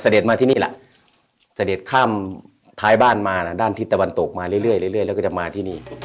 มาที่นี่แหละเสด็จข้ามท้ายบ้านมานะด้านทิศตะวันตกมาเรื่อยแล้วก็จะมาที่นี่